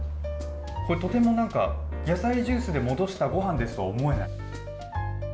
とても野菜ジュースで戻したごはんとは思えない。